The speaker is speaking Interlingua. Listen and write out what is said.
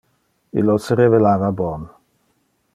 Illo se revelava bon.